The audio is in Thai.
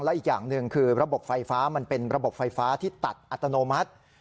และอีกอย่างหนึ่งคือระบบไฟฟ้ามันเป็นระบบไฟฟ้าที่ตัดอัตโนมัติ